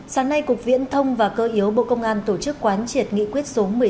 sáng nay cục viễn thông và cơ yếu bộ công an tổ chức quán triệt nghị quyết số một mươi năm